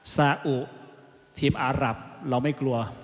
ซาอุทีมอารับเราไม่กลัว